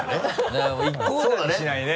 なるほど一顧だにしないね。